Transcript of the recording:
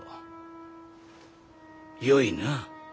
よいな？